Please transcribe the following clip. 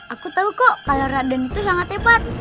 aku tahu kok kalau raden itu sangat hebat